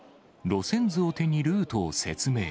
路線図を手にルートを説明。